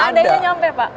seandainya nyampe pak